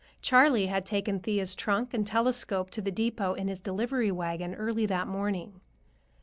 Charley had taken Thea's trunk and telescope to the depot in his delivery wagon early that morning.